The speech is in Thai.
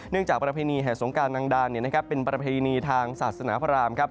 เนื่องจากประเภณีแห่สงการนางดานเป็นประเภณีทางศาสนพระราม